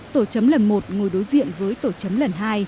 tổ chấm lần một ngồi đối diện với tổ chấm lần hai